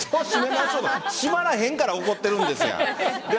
締まらへんから怒ってるんですやん。